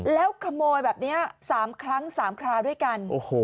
แล้วขโมยแบบนี้๓ครั้ง๓คราวด้วยกัน